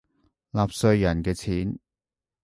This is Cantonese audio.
納稅人嘅錢